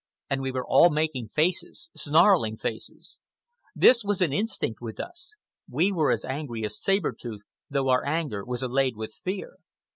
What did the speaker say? And we were all making faces—snarling faces; this was an instinct with us. We were as angry as Saber Tooth, though our anger was allied with fear.